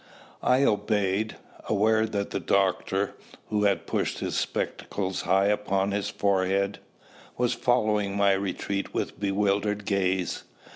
I obeyed, aware that the doctor who had pushed his spectacles high upon his forehead was following my retreat with bewildered gaze.